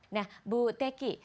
nah bu teki